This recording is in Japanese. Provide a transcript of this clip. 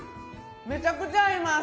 めちゃくちゃ合います！